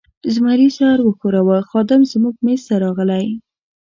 زمري سر و ښوراوه، خادم زموږ مېز ته راغلی.